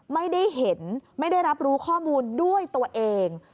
ไม่ได้เห็นไม่ได้รับรู้ข้อมูลด้วยตัวเอง